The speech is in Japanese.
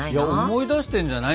思い出してんじゃない？